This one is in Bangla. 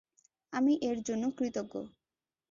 আমি এর জন্য কৃতজ্ঞ।